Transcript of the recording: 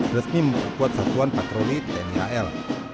resmi memperkuat satuan patroli tni al